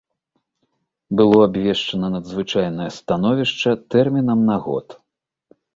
Было абвешчана надзвычайнае становішча тэрмінам на год.